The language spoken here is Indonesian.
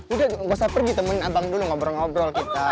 udah gak usah pergi temuin abang dulu ngobrol ngobrol kita